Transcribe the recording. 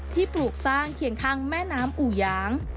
ที่ปลูกสร้างเขียนข้างแม่น้ำอุยาง